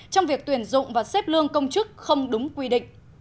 trong việc tuyển dụng và xếp lương công chức không đúng quy định